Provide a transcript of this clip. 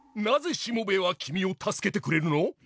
なぜしもべえは君を助けてくれるの？